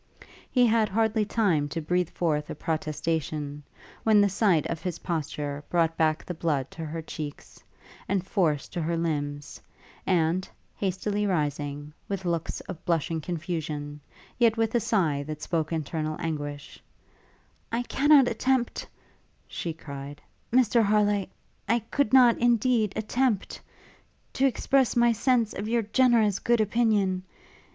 He had hardly time to breathe forth a protestation, when the sight of his posture brought back the blood to her cheeks, and force to her limbs; and, hastily rising, with looks of blushing confusion, yet with a sigh that spoke internal anguish, 'I cannot attempt,' she cried, 'Mr Harleigh, I could not, indeed, attempt to express my sense of your generous good opinion!